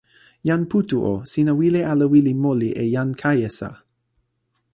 jan Putu o, sina wile ala wile moli e jan Kajesa?